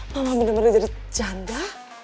mama bener bener jadi janda